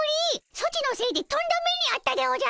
ソチのせいでとんだ目にあったでおじゃる！